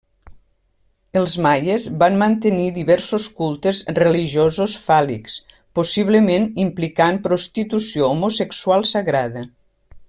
Els maies van mantenir diversos cultes religiosos fàl·lics, possiblement implicant prostitució homosexual sagrada.